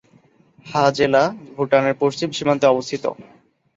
হা জেলা ভুটানের পশ্চিম সীমান্তে অবস্থিত।